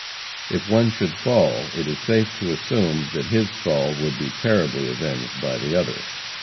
If one should fall, it is safe to assume that his fall would be terribly avenged by the other.